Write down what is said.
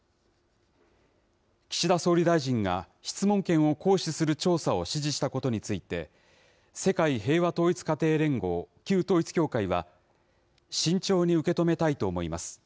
岸田総理大臣が質問権を行使する調査を指示したことについて、世界平和統一家庭連合、旧統一教会は、慎重に受け止めたいと思います。